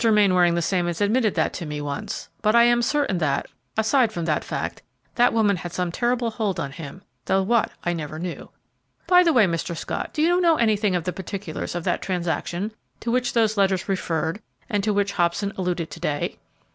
Mainwaring the same as admitted that to me once; but I am certain that, aside from that fact, that woman had some terrible hold on him, though what I never knew. By the way, Mr. Scott, do you know anything of the particulars of that transaction to which those letters referred and to which Hobson alluded to day?"